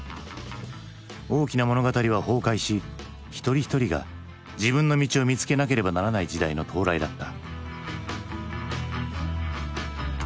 大きな物語は崩壊し一人一人が自分の道を見つけなければならない時代の到来だった。